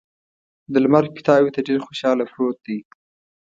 د لمر پیتاوي ته ډېر خوشحاله پروت دی.